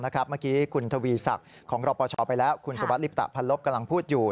เมื่อกี้คุณทวีศักดิ์ของรอปชไปแล้วคุณสุวัสดลิปตะพันลบกำลังพูดอยู่